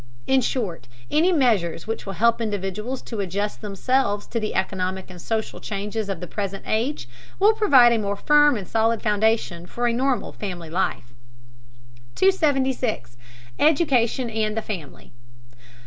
In short, any measures which will help individuals to adjust themselves to the economic and social changes of the present age will provide a more firm and solid foundation for a normal family life. 276. EDUCATION AND THE FAMILY.